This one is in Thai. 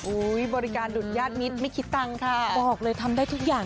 บริการดุดญาติมิตรไม่คิดตังค์ค่ะบอกเลยทำได้ทุกอย่าง